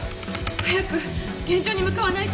早く現場に向かわないと！